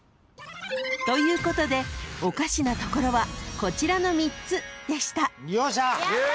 ［ということでおかしなところはこちらの３つでした］